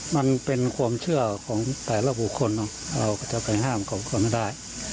มันเป็นความเชื่อของแต่ละบุคคลจะไปห้ามกับบุคคลไม่ได้